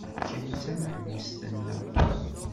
Kemm d tameḥbust-nneɣ.